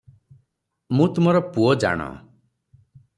ମୁଁ ତୁମର ପୁଅ ଜାଣ ।